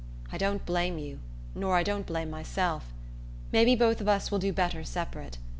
I don't blame you, nor I don't blame myself. Maybe both of us will do better separate.